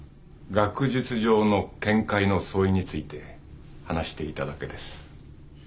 学術上の見解の相違について話していただけです。